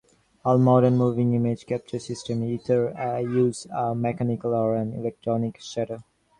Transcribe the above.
All modern moving image capture systems either use a mechanical or an electronic shutter.